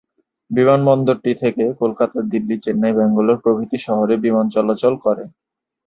বিমানবন্দরটি থেকে কলকাতা, দিল্লী, চেন্নাই, ব্যাঙ্গালোর প্রভৃতি শহরে বিমান চলাচল করে।